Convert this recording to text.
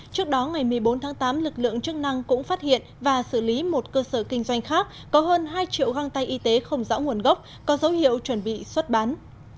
trước đó ngày một mươi bốn tháng tám lực lượng chức năng cũng phát hiện và xử lý một cơ sở kinh doanh khác có hơn hai triệu găng tay y tế không rõ nguồn gốc có dấu hiệu chuẩn bị xuất bán